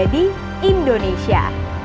ada di indonesia